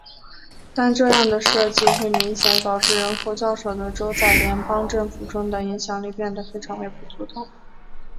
但这样的设计会明显导致人口较少的州在联邦政府中的影响力变得非常微不足道。